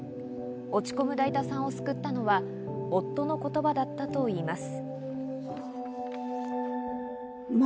落ち込むだいたさんを救ったのは夫の言葉だったといいます。